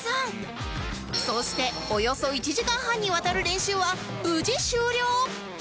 そしておよそ１時間半にわたる練習は無事終了